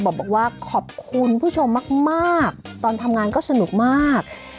บอกว่าขอบคุณผู้ชมมากตอนทำงานก็สนุกมาก